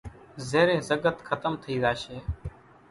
زيرين زڳت کتم ٿئي زاشي